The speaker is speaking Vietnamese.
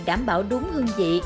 đảm bảo đúng hương vị